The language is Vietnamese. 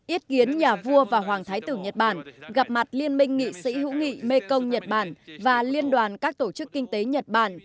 ý kiến nhà vua và hoàng thái tử nhật bản gặp mặt liên minh nghị sĩ hữu nghị mekong nhật bản và liên đoàn các tổ chức kinh tế nhật bản